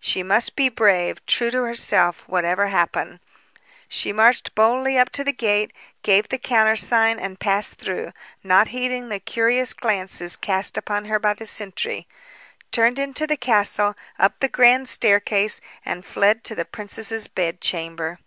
She must be brave, true to herself, whatever happened. She marched boldly up to the gate, gave the countersign and passed through, not heeding the curious glances cast upon her by the sentry; turned into the castle, up the grand staircase, and fled to the princess's bed chamber.